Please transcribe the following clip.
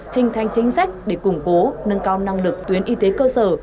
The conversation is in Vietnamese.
hình thành chính sách để củng cố nâng cao năng lực tuyến y tế cơ sở